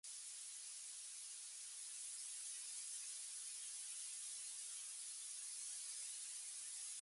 Hugo Caramel with difficulty restrained a shout of laughter.